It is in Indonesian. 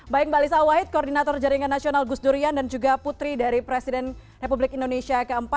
baik mbak lisa wahid koordinator jaringan nasional gus durian dan juga putri dari presiden republik indonesia keempat